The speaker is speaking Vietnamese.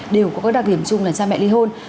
đều có các đặc điểm chung là cha mẹ ly hôn